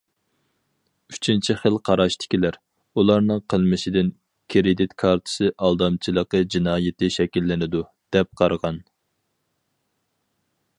ئۈچىنچى خىل قاراشتىكىلەر: ئۇلارنىڭ قىلمىشىدىن كىرېدىت كارتىسى ئالدامچىلىقى جىنايىتى شەكىللىنىدۇ، دەپ قارىغان.